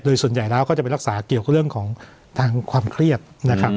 โดยส่วนใหญ่แล้วก็จะไปรักษาเกี่ยวกับเรื่องของทางความเครียดนะครับ